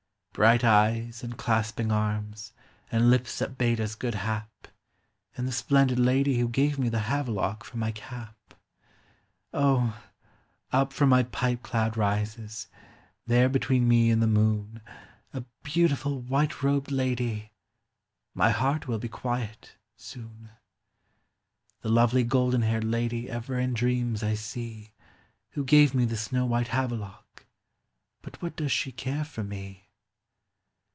Bright eyes and clasping arms, and lips that bade us good hap ; And the splendid lady who gave me the havelock for my cap. O, up from my pipe cloud rises, there between me and the moon, A beautiful white robed lady ; my heart will be quiet, soon. The lovely golden haired lady ever in dreams I see, Who gave me the snow white havelock — but what does she care for me